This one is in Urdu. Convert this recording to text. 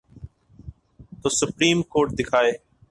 تو سپریم کورٹ دکھائے۔